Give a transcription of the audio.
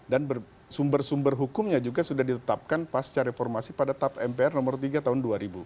dan sumber sumber hukumnya juga sudah ditetapkan pasca reformasi pada tap mpr nomor tiga tahun dua ribu